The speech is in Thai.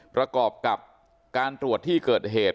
ประกอบกับการตรวจที่เกิดเหตุ